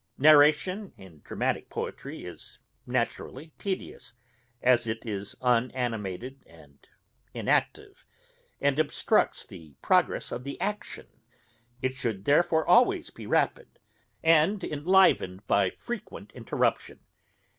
Narration in dramatick poetry is naturally tedious, as it is unanimated and inactive, and obstructs the progress of the action; it should therefore always be rapid, and enlivened by frequent interruption.